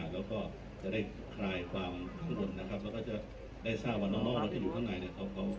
แล้วก็จะได้คลายความส่วนแล้วก็จะได้ทราบว่าน้องที่อยู่ข้างใน